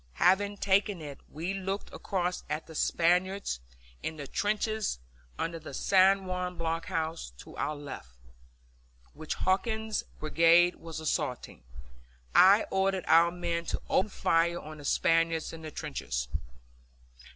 Having taken it, we looked across at the Spaniards in the trenches under the San Juan blockhouse to our left, which Hawkins's brigade was assaulting. I ordered our men to open fire on the Spaniards in the trenches.